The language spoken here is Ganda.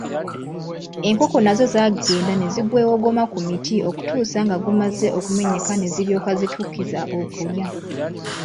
Enkoko nazo zaagenda ne zigwewogoma ku miti okutuusa nga gumaze okumenyeka ne ziryoka zittukiza okulya.